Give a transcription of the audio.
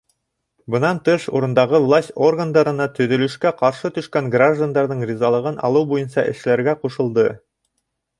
Бынан тыш, урындағы власть органдарына төҙөлөшкә ҡаршы төшкән граждандарҙың ризалығын алыу буйынса эшләргә ҡушылды.